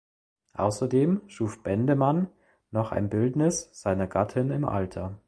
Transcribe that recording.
Außerdem schuf Bendemann noch ein Bildnis seiner Gattin im Alter.